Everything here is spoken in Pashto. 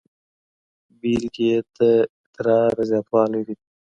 بیلګې یې د ادرار زیاتوالی دی.